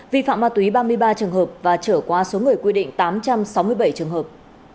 qua tùy ba mươi ba trường hợp và trở qua số người quy định tám trăm sáu mươi bảy trường hợp